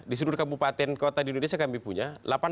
di seluruh kabupaten kota di indonesia kami punya